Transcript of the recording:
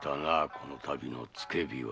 このたびの付け火は。